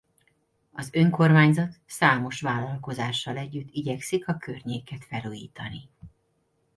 Az önkormányzat számos vállalkozással együtt igyekszik a környéket felújítani.